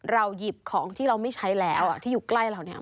หยิบของที่เราไม่ใช้แล้วที่อยู่ใกล้เราเนี่ย